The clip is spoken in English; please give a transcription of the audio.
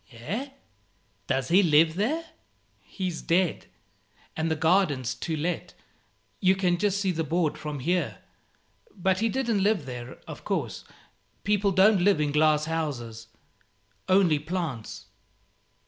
"Eh? does he live there?" "He's dead, and the garden's 'to let;' you can just see the board from here. But he didn't live there, of course. People don't live in glass houses; only plants."